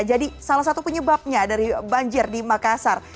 jadi salah satu penyebabnya dari banjir di makassar